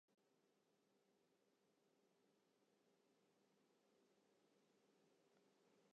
Doe bin ik by beppe kommen.